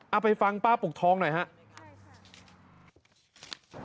เอาไปฟังป้าปลูกทองหน่อยฮะใช่ค่ะ